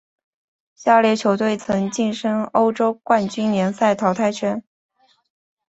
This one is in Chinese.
下列球队曾晋身欧洲冠军联赛淘汰圈。